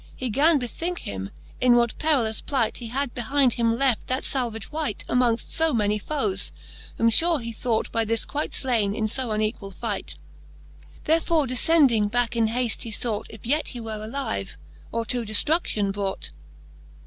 He gan bethinke him, in what perilous plight He had behynd him left that falvage wight, Amongft fo many foes, whom fure he thought By this quite flaine in fo unequall fight : Therefore defcending backe in hafte, he fought. If yet he were alive, or to deftrudion brought.